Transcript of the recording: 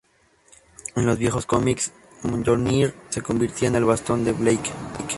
En los viejos comics, Mjolnir se convertiría en el bastón de Blake.